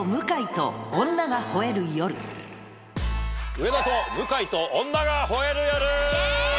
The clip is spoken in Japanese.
『上田と向井と女が吠える夜』！イェイ！